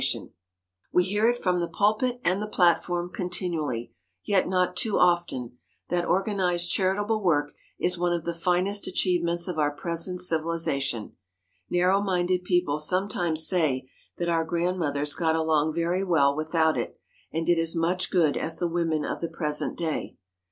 [Sidenote: BUILDING UP CHARACTER] We hear it from the pulpit and the platform continually, yet not too often, that organized charitable work is one of the finest achievements of our present civilization. Narrow minded people sometimes say that our grandmothers got along very well without it, and did as much good as the women of the present day.